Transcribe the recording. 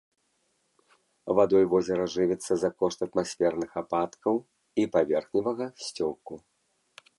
Вадой возера жывіцца за кошт атмасферных ападкаў і паверхневага сцёку.